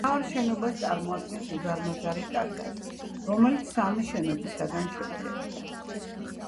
მთავარ შენობას წარმოადგენს უზარმაზარი ტაძარი, რომელიც სამი შენობისაგან შედგება.